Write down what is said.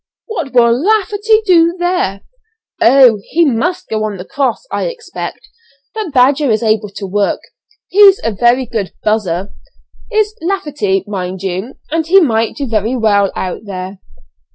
what will Lafferty do there?" "Oh! he must go on the cross, I expect, but Badger is able to work. He's a very good 'buzzer,' is Lafferty, mind you, and he might do very well out there."